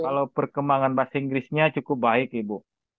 kalau perkembangan bahasa inggrisnya cukup baik ibu